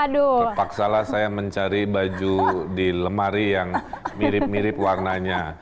terpaksalah saya mencari baju di lemari yang mirip mirip warnanya